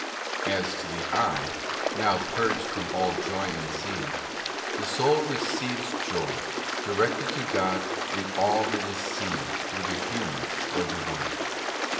As to the eye, now purged from all joy in seeing, the soul receives joy, directed to God, in all that is' seen, whether human or Divine.